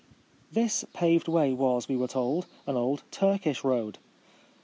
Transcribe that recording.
This paved way was, we were told, an old Turkish road.